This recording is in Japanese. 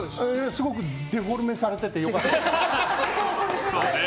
すごくデフォルメされてて良かったです。